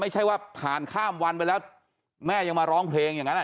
ไม่ใช่ว่าผ่านข้ามวันไปแล้วแม่ยังมาร้องเพลงอย่างนั้น